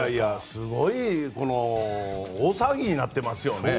すごい大騒ぎになってますよね。